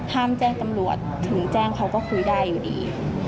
แจ้งตำรวจถึงแจ้งเขาก็คุยได้อยู่ดี